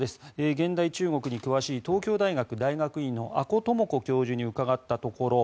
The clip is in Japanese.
現代中国に詳しい東京大学大学院の阿古智子教授に伺ったところ